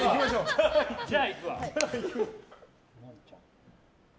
じゃあ、行くわ！